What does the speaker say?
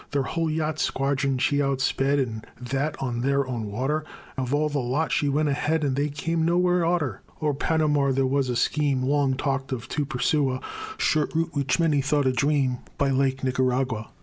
Their whole yacht squadron she outsped, And that on their own water; Of all the lot she went ahead, And they came nowhere arter. O'er Panamà there was a scheme Long talked of, to pursue a Short route which many thought a dream By Lake Nicaragua.